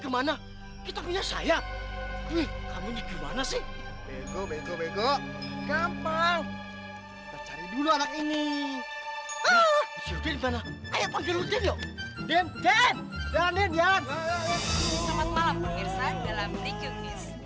selamat malam pengirsa dalam rikyungis